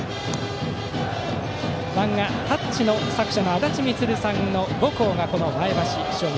漫画「タッチ」の作者のあだち充さんの母校がこの前橋商業。